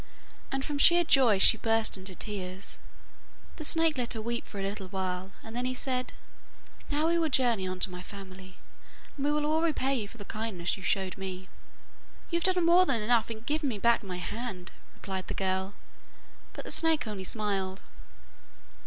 and from sheer joy she burst into tears. The snake let her weep for a little while, and then he said 'Now we will journey on to my family, and we will all repay you for the kindness you showed to me.' 'You have done more than enough in giving me back my hand,' replied the girl; but the snake only smiled.